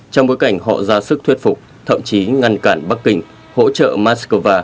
trong bối cảnh họ ra sức thuyết phục thậm chí ngăn cản bắc kinh hỗ trợ moscow